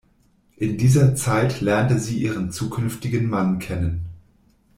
In dieser Zeit lernte sie ihren zukünftigen Mann kennen.